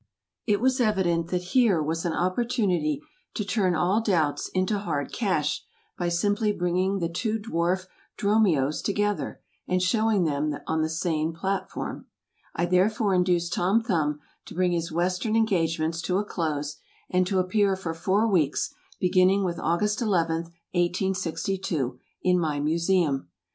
It was evident that here was an opportunity to turn all doubts into hard cash by simply bringing the two dwarf Dromios together, and showing them on the same platform. I therefore induced Tom Thumb to bring his Western engagements to a close, and to appear for four weeks, beginning with August 11, 1862, in my Museum.